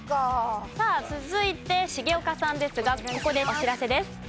さあ続いて重岡さんですがここでお知らせです。